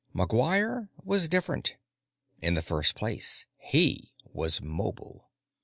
McGuire was different. In the first place, he was mobile.